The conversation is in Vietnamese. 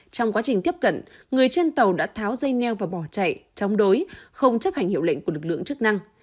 trong quá trình tiếp cận người trên tàu đã tháo dây neo và bỏ chạy chống đối không chấp hành hiệu lệnh của lực lượng chức năng